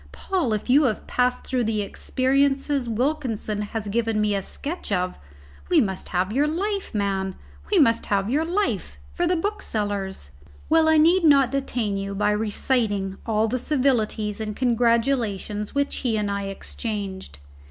Paul, if you have passed through the experiences Wilkinson has given me a sketch of, we must have your life, man, we must have your life for the booksellers." Well, I need not detain you by reciting all the civilities and congratulations which he and I exchanged.